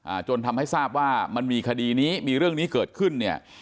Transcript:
จนทำให้ทราบว่ามันมีคดีนี้มีเรื่องนี้เกิดขึ้นเนี่ย